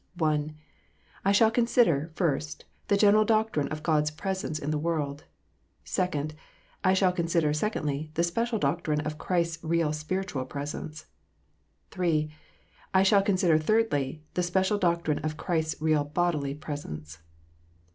I. I shall consider, "first, the general doctrine of God s presence in the world. II. I shall consider, secondly, the special doctrine of Christ s real spiritual presence. III. I shall consider, thirdly, the special doctrine of Christ s real bodi/y presence.